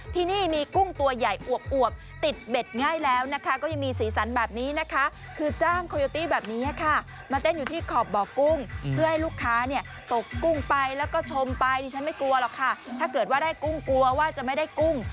ถ้าเกิดว่าให้กุ้งกลัวว่าจะไม่ได้กุ้ง